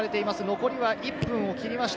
残りは１分を切りました。